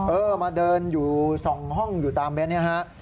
เออมาเดินอยู่๒ห้องอยู่ตามนี้ครับ